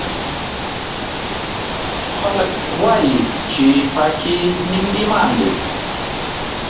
خلکوایي چې پاکۍ نیم ایمان ده